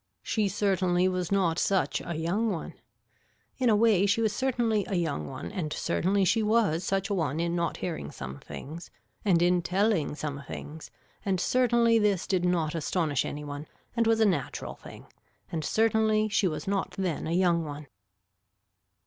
She certainly was not such a young one. In a way she was certainly a young one and certainly she was such a one in not hearing some things and in telling some things and certainly this did not astonish any one and was a natural thing and certainly she was not then a young one.